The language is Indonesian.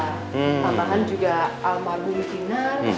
tambahan juga alma gunfinar